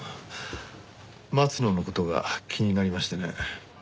松野の事が気になりましてね。